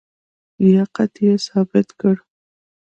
لیاقت یې ثابت کړ.